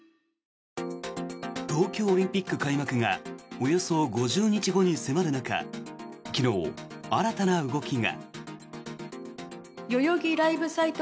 東京オリンピック開幕がおよそ５０日後に迫る中昨日、新たな動きが。